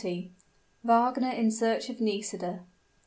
WAGNER IN SEARCH OF NISIDA.